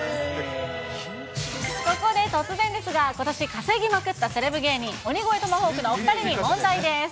ここで突然ですが、ことし稼ぎまくったセレブ芸人、鬼越トマホークのお２人に問題です。